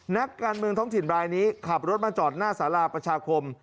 นักการเมืองท้องถิ่นรายนี้ขับรถมาจอดหน้าสาราประชาคม